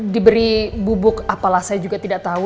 diberi bubuk apalah saya juga tidak tahu